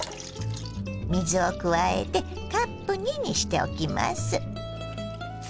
水を加えてカップ２にしておきます。